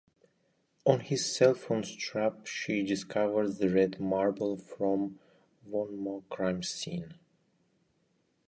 On his cell phone strap, she discovers the red marble from Won-mo's crime scene.